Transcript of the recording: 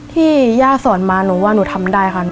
ย่าสอนมาหนูว่าหนูทำได้ค่ะ